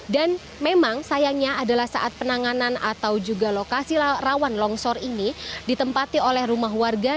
dan memang sayangnya adalah saat penanganan atau juga lokasi rawan longsor ini ditempati oleh rumah warga